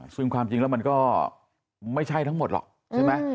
ซึ่งความจริงแล้วมันก็ไม่ใช่ทั้งหมดหรอกใช่ไหม